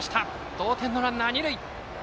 同点のランナー、二塁。